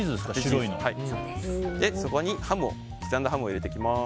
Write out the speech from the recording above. そこに刻んだハムを入れていきます。